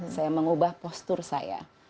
saya mengubah postur saya